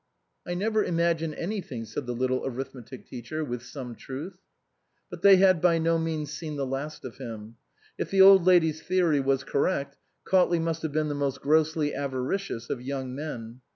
"I never imagine anything," said the little arithmetic teacher with some truth. But they had by no means seen the last of him. If the Old Lady's theory was correct, Cautley must have been the most grossly avaricious of young men.